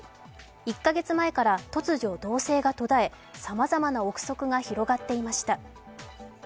１か月前から突如動静が途絶え、さまざまな臆測が広がっていました。